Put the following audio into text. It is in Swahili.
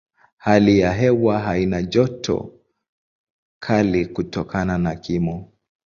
Hali ya hewa haina joto kali kutokana na kimo.